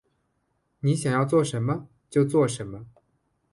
你想要做什么？就做什么